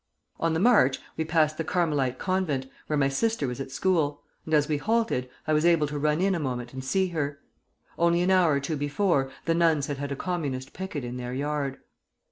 "On the march we passed the Carmelite Convent, where my sister was at school; and as we halted, I was able to run in a moment and see her. Only an hour or two before; the nuns had had a Communist picket in their yard.